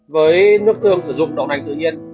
với nước tương sử dụng đậu nành tự nhiên